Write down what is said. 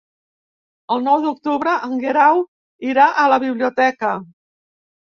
El nou d'octubre en Guerau irà a la biblioteca.